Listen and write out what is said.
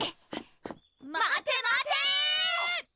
待て待て！